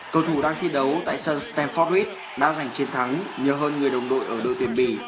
cầu thủ đang thi đấu tại sân stamford bridge đã giành chiến thắng nhờ hơn người đồng đội ở đội tuyển bị